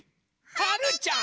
はるちゃん？